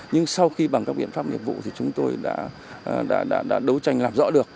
nhưng sau khi bằng các biện pháp nghiệp vụ thì chúng tôi đã đấu tranh làm rõ được